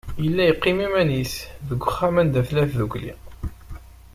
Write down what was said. Yella yeqqim iman-is deg uxxam anda tella tdukkli.